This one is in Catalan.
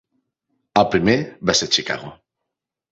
El primer va ser "Chicago".